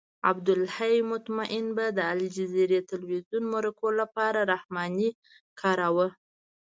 عبدالحی مطمئن به د الجزیرې تلویزیون مرکو لپاره رحماني کاراوه.